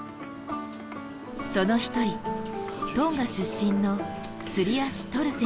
その一人トンガ出身のスリアシトル選手。